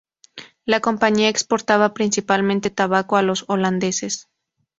La compañía exportaba principalmente tabaco a los holandeses.